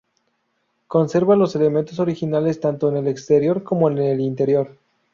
Conserva los elementos originales tanto en el exterior como en el interior.